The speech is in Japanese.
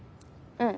うん。